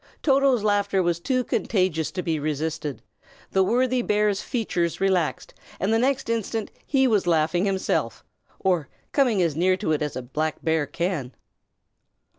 Toto's laughter was too contagious to be resisted; the worthy bear's features relaxed, and the next instant he was laughing himself, or coming as near to it as a black bear can.